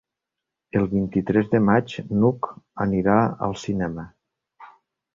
El vint-i-tres de maig n'Hug anirà al cinema.